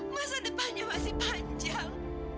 masa depannya masih panjang